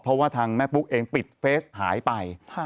เพราะว่าทางแม่ปุ๊กเองปิดเฟสหายไป